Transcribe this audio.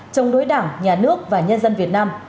chống đối đảng nhà nước và nhân dân việt nam